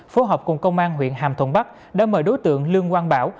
phối hợp cùng công an huyện hàm thuận bắc đã mời đối tượng lương quang bảo